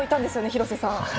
廣瀬さん。